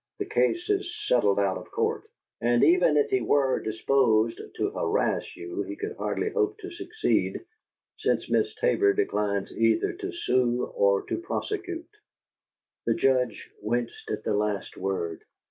"The case is 'settled out of court,' and even if he were disposed to harass you, he could hardly hope to succeed, since Miss Tabor declines either to sue or to prosecute." The Judge winced at the last word.